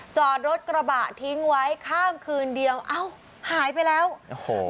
จอดรถกระบะทิ้งไว้ข้ามคืนเดียวเอ้าหายไปแล้วโอ้โห